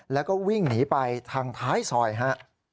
แล้วก็วิ่งหนีไปทางท้ายซอยฮะ